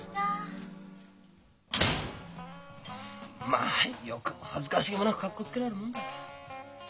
まあよくも恥ずかしげもなくかっこつけられるもんだ。